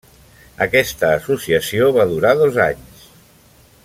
Aquesta associació va durar dos anys.